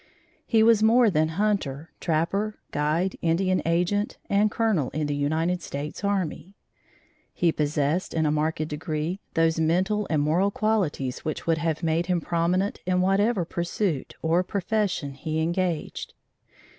He was more than hunter, trapper, guide, Indian agent and Colonel in the United States Army. He possessed in a marked degree those mental and moral qualities which would have made him prominent in whatever pursuit or profession he engaged.